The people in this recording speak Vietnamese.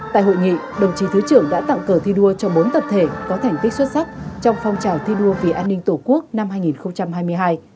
tại hội nghị đồng chí thứ trưởng đã tặng cờ thi đua cho bốn tập thể có thành tích xuất sắc trong phong trào thi đua vì an ninh tổ quốc năm hai nghìn hai mươi hai